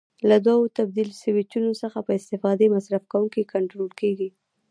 له دوو تبدیل سویچونو څخه په استفادې مصرف کوونکی کنټرول کېږي.